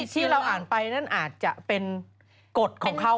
ที่เราอ่านไปนั่นอาจจะเป็นกฎของเขา